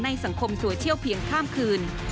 สังคมโซเชียลเพียงข้ามคืน